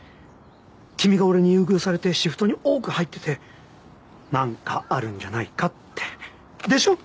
君が俺に優遇されてシフトに多く入っててなんかあるんじゃないかってでしょ？